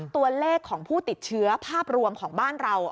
ตัวเลขของผู้ติดเชื้อภาพรวมของบ้านเรา